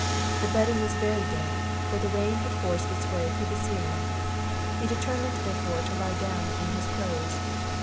The bedding was very damp, for the rain had forced its way through the ceiling; he determined, therefore, to lie down in his clothes.